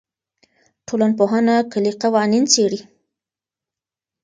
ټولنپوهنه کلي قوانین څېړي.